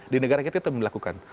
di negara kita itu melakukan